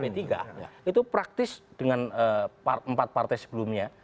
itu praktis dengan empat partai sebelumnya